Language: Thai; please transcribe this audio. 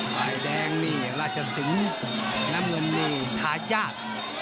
ฝ่ายแดงนี่ราชสิงห์น้ำเงินนี่ทายาท